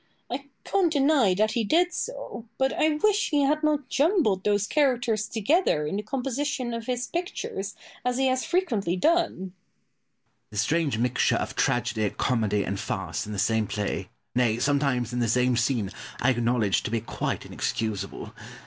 I can't deny that he did so; but I wish he had not jumbled those characters together in the composition of his pictures as he has frequently done. Pope. The strange mixture of tragedy, comedy, and farce in the same play, nay, sometimes in the same scene, I acknowledge to be quite inexcusable.